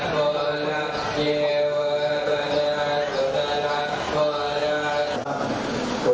สวัสดีครับคุณครับสวัสดีครับสวัสดีครับ